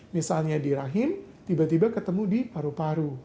misalnya di rahim tiba tiba ketemu di paru paru